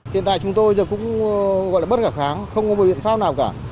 tiền tài chúng tôi bất khả kháng không có biện pháp nào cả